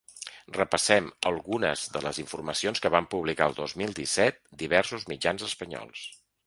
Repassem algunes de les informacions que van publicar el dos mil disset diversos mitjans espanyols.